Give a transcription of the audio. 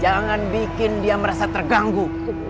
jangan bikin dia merasa terganggu